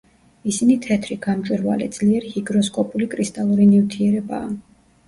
ისინი თეთრი, გამჭვირვალე, ძლიერ ჰიგროსკოპული კრისტალური ნივთიერებაა.